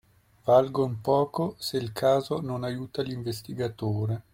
valgon poco, se il Caso non aiuta l'investigatore.